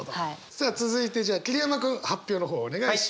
さあ続いてじゃあ桐山君発表の方お願いします。